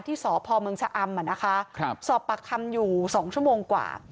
ที่ศพเมืองชะอำอะนะคะครับศปักคำอยู่สองชั่วโมงกว่า